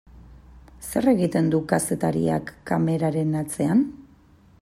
Zer egiten du kazetariak kameraren atzean?